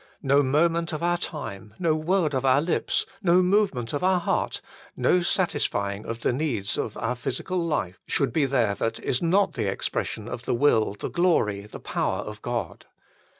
No moment of our time, no word of our lips, no movement of our heart, no satisfying of the needs of our physical life, should there be that is not the expression of the will, the glory, the power of God.